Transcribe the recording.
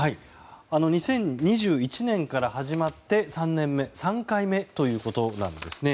２０２１年から始まって３年目３回目ということなんですね。